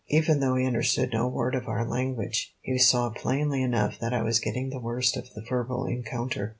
Even though he understood no word of our language, he saw plainly enough that I was getting the worst of the verbal encounter.